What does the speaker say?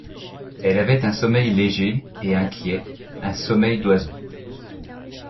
Elle avait un sommeil léger et inquiet, un sommeil d’oiseau.